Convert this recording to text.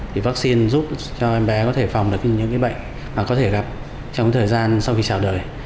vì vaccine giúp cho em bé có thể phòng được những cái bệnh mà có thể gặp trong thời gian sau khi trào đời